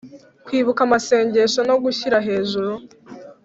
Kwibuka amasengesho no gushyira hejuru